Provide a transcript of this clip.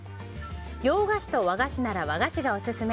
洋菓子と和菓子なら和菓子がオススメ。